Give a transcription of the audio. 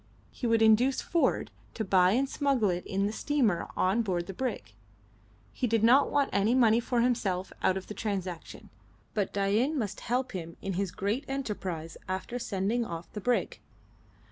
He would induce Ford to buy and smuggle it in the steamer on board the brig. He did not want any money for himself out of the transaction, but Dain must help him in his great enterprise after sending off the brig.